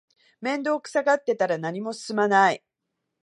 面倒くさがってたら何も進まない